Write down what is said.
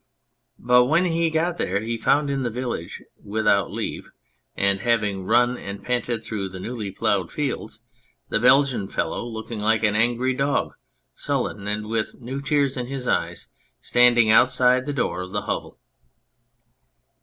But when he got there he found in the village, without leave, and having run and panted through the newly ploughed fields, this Belgian fellow, looking like an angry dog, sullen, and with new tears in his eyes, standing outside the door of the hovel.